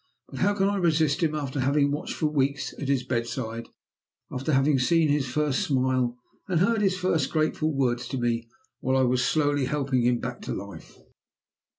But how can I resist him after having watched for weeks at his bedside; after having seen his first smile, and heard his first grateful words t o me while I was slowly helping him back to life?